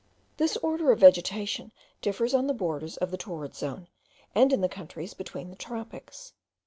This order of vegetation differs on the borders of the torrid zone, and in the countries between the tropics.